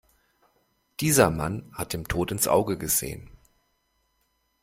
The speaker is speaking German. Dieser Mann hat dem Tod ins Auge gesehen.